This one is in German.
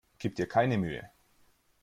Gib dir keine Mühe!